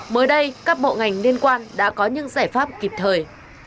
mới đây các bộ ngành liên quan đã có những giải pháp kịp thời